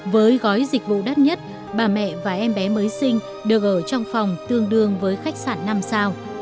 với gói dịch vụ đắt nhất bà mẹ và em bé mới sinh được ở trong phòng tương đương với khách sạn năm sao